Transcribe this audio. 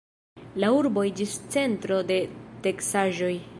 La urbo iĝis centro de teksaĵoj.